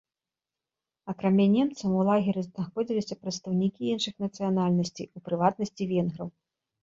Акрамя немцаў у лагеры знаходзіліся прадстаўнікі іншых нацыянальнасцей, у прыватнасці венграў.